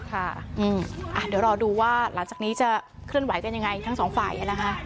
เดี๋ยวรอดูว่าหลังจากนี้จะเคลื่อนไหวกันยังไงทั้งสองฝ่ายนะคะ